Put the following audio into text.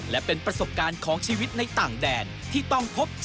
และเป็นประสบการณ์ของชีวิตในต่างแดนที่ต้องพบ